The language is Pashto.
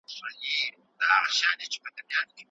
د عصبيت مفهوم د تعلق او پيوستون په اړه دی.